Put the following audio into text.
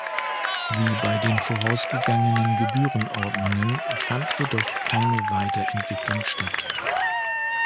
Wie bei den vorausgegangenen Gebührenordnungen fand jedoch keine Weiterentwicklung statt.